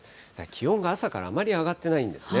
気温が朝からあまり上がっていないんですね。